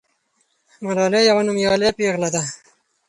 ملالۍ یوه نومیالۍ پیغله ده.